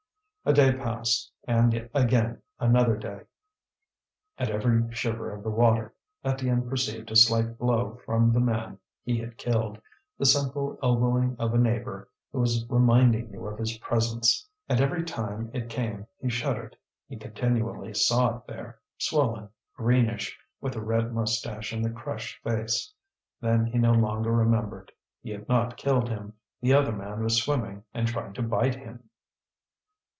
A day passed, and again another day. At every shiver of the water Étienne perceived a slight blow from the man he had killed, the simple elbowing of a neighbour who is reminding you of his presence. And every time it came he shuddered. He continually saw it there, swollen, greenish, with the red moustache and the crushed face. Then he no longer remembered; he had not killed him; the other man was swimming and trying to bite him.